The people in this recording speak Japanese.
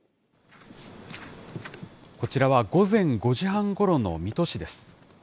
こちらは午前５時半ごろの水戸市です。